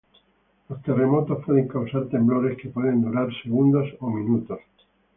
Los terremotos pueden causar temblores que pueden durar segundos o minutos.